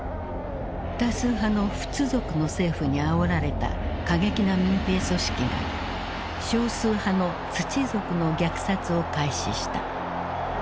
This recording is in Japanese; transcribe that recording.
多数派のフツ族の政府にあおられた過激な民兵組織が少数派のツチ族の虐殺を開始した。